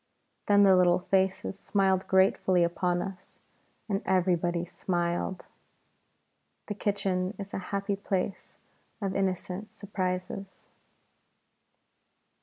Then the little faces smiled gratefully upon us, and everybody smiled. The kitchen is a happy place of innocent surprises.